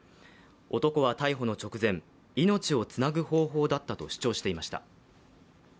男は逮捕の直前、命をつなぐ方法だったと主張していました。